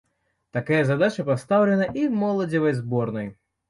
Такая задача пастаўлена і моладзевай зборнай.